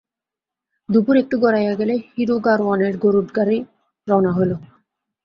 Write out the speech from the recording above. দুপুর একটু গড়াইয়া গেলে হীরু গাড়োয়ানের গরুর গাড়ি রওনা হইল।